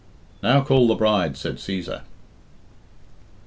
"Now call the bride," said Cæsar. XXI.